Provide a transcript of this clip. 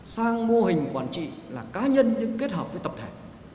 sang mô hình quản trị là cá nhân nhưng kết hợp với tập thể